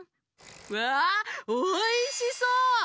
わあおいしそう！